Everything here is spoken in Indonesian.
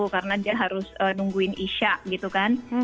karena dia harus nungguin isha gitu kan